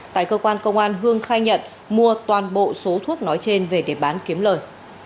tại cơ quan công an hương khai nhận mua toàn bộ số thuốc nói trên về để bán kiếm lời